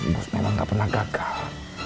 terus memang gak pernah gagal